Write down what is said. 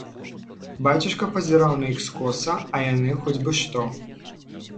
Бацюшка пазіраў на іх скоса, а яны хоць бы што.